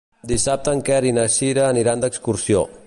Dissabte en Quer i na Cira aniran d'excursió.